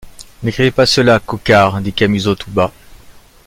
N’écrivez pas cela, Coquart, dit Camusot tout bas.